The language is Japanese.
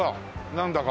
なんだか。